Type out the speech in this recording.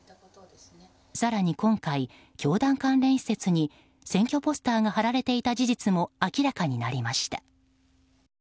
更に今回、教団関連施設に選挙ポスターが貼られていた事実も明らかになりました。